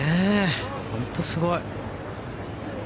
本当にすごい。